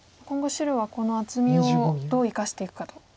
今後白はこの厚みをどう生かしていくかと。